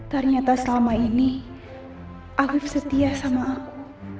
ternyata selama ini aku setia sama aku